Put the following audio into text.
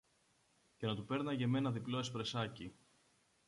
και να του πέρναγε με ένα διπλό εσπρεσάκι